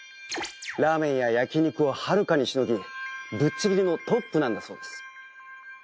ラーメンや焼肉をはるかにしのぎぶっちぎりのトップなんだそうです。